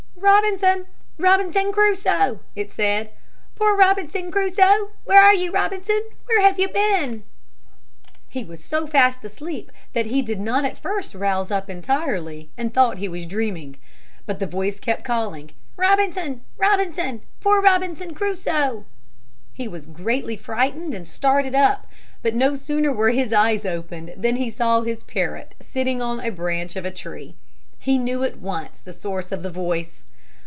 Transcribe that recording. "Robinson, Robinson Crusoe," it said, "poor Robinson Crusoe! Where are you Robinson, where have you been?" He was so fast asleep that he did not at first rouse up entirely and thought he was dreaming. But the voice kept calling, "Robinson, Robinson, poor Robinson Crusoe!" He was greatly frightened and started up. But no sooner were his eyes opened than he saw his parrot sitting on a branch of a tree. He knew at once the source of the voice.